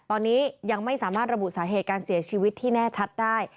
ตอนนี้ยังไม่สามารถระบุสาเหตุการเสียชีวิตที่แน่ชัดได้